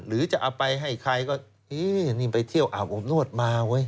หรือจะเอาไปให้ใครก็เอ๊ะนี่ไปเที่ยวอาบอบนวดมาเว้ย